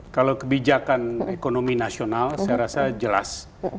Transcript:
kalau kebijakan ekonomi nasional saya rasa jelas